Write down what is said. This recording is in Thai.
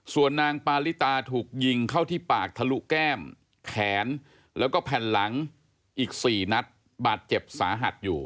ส่วนนางปาลิตาถูกยิงเข้าที่ปากทะลุแก้มแขนแล้วก็แผ่นหลังอีก๔นัดบาดเจ็บสาหัสอยู่